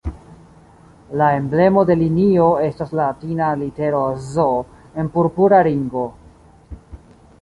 La emblemo de linio estas latina litero "Z" en purpura ringo.